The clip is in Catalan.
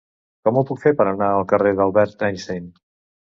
Com ho puc fer per anar al carrer d'Albert Einstein?